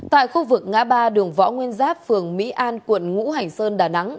tại khu vực ngã ba đường võ nguyên giáp phường mỹ an quận ngũ hành sơn đà nẵng